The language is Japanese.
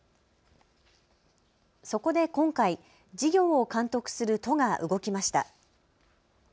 そこで今回、事業を監督する都が動きました。